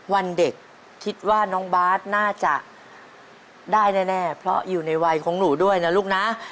วันเด็กคิดว่าน้องบาทน่าจะได้แน่เพราะอยู่ในวัยของหนูด้วยนะลูกนะ